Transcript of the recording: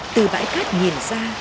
từ bãi cát nhìn ra